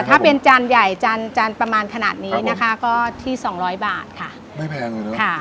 ถ้าเป็นจานใหญ่จานจานประมาณขนาดนี้นะคะก็ที่สองร้อยบาทค่ะไม่แพงเลยลูกค่ะ